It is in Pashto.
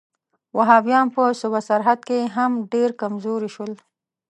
وهابیان په صوبه سرحد کې هم ډېر کمزوري شول.